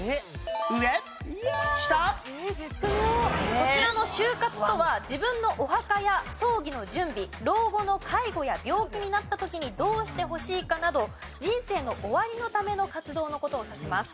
こちらの終活とは自分のお墓や葬儀の準備老後の介護や病気になった時にどうしてほしいか？など人生の終わりのための活動の事を指します。